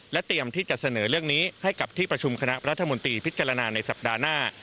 เตรียมที่จะเสนอเรื่องนี้ให้กับที่ประชุมคณะรัฐมนตรีพิจารณาในสัปดาห์หน้า